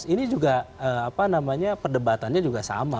ini juga perdebatannya juga sama